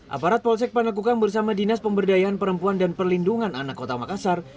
aparat polsek panakukang bersama dinas pemberdayaan perempuan dan perlindungan anak kota makassar